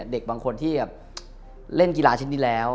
เด็กบางคนที่เล่นกีฬาชิ้นนี้แล้ว